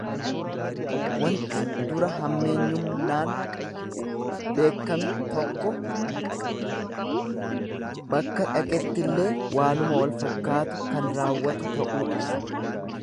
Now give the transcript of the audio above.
Wanti dura hammeenyumnaan beekkame tokko bakka dhaqettillee waanuma walfakkaatu kan raawwatu ta'uu ibsa.